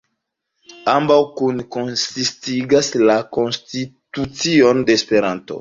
Ambaŭ kune konsistigas la konstitucion de Esperanto.